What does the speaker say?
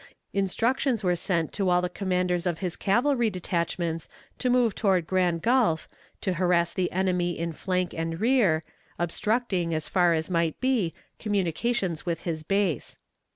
Instructions were sent to all the commanders of his cavalry detachments to move toward Grand Gulf, to harass the enemy in flank and rear, obstructing, as far as might be, communications with his base.